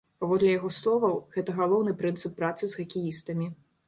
Паводле яго словаў, гэта галоўны прынцып працы з хакеістамі.